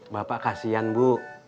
bapak kasian bu